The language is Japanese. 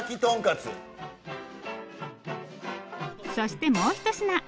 そしてもうひと品。